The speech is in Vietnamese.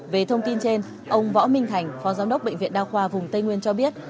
về thông tin trên ông võ minh thành phó giám đốc bệnh viện đa khoa vùng tây nguyên cho biết